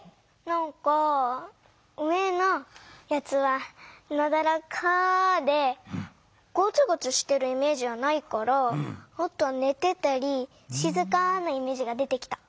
なんか上のやつはなだらかでゴツゴツしてるイメージはないからあとはねてたりしずかなイメージが出てきた。